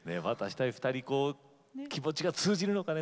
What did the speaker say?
二人気持ちが通じるのかね